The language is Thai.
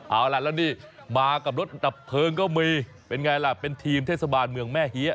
เอาล่ะแล้วนี่มากับรถดับเพลิงก็มีเป็นไงล่ะเป็นทีมเทศบาลเมืองแม่เฮีย